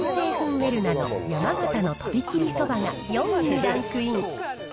ウェルナの山形のとびきりそばが４位にランクイン。